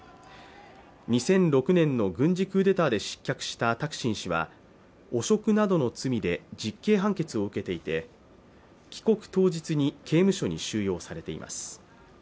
２００６年の軍事クーデターで失脚したタクシン氏は汚職などの罪で実刑判決を受けていて帰国当日に刑務所に収容されています。